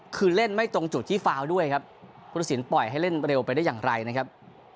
คือเล่นไม่ตรงจุดที่ฟาวด้วยครับพุทธศิลปปล่อยให้เล่นเร็วไปได้อย่างไรนะครับ